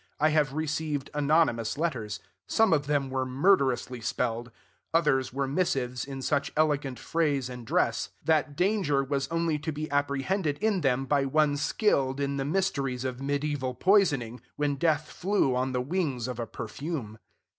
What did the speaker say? I have received anonymous letters. Some of them were murderously spelled; others were missives in such elegant phrase and dress, that danger was only to be apprehended in them by one skilled in the mysteries of medieval poisoning, when death flew on the wings of a perfume.